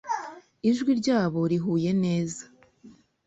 Ijwi ryabo rihuye neza.